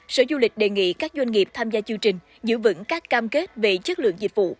sở du lịch đề nghị các doanh nghiệp tham gia chương trình giữ vững các cam kết về chất lượng dịch vụ